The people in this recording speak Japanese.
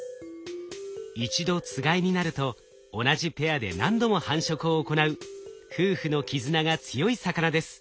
一度つがいになると同じペアで何度も繁殖を行う夫婦の絆が強い魚です。